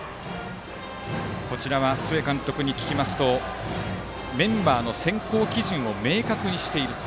須江監督に聞きますとメンバーの選考基準を明確にしていると。